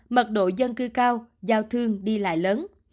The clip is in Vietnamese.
mật độ dân cư cao giao thương đi lại lớn